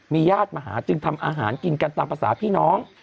ญาติมาหาจึงทำอาหารกินกันตามภาษาพี่น้อง